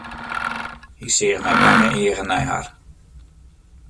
Hy seach mei bange eagen nei har.